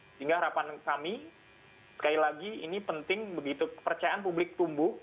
sehingga harapan kami sekali lagi ini penting begitu kepercayaan publik tumbuh